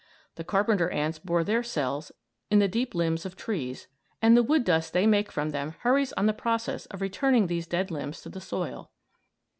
The carpenter ants bore their cells in the dead limbs of trees, and the wood dust they make from them hurries on the process of returning these dead limbs to the soil.